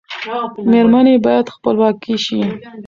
میرمنې باید خپلواکې شي.